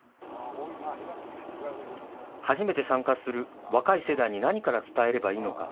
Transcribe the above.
初めて参加する若い世代に何から伝えればいいのか。